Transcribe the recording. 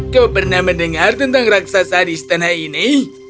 kau pernah mendengar tentang raksasa di istana ini